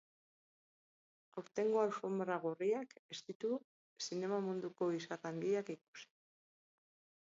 Aurtengo alfombra gorriak ez ditu zinema munduko izar handiak ikusi.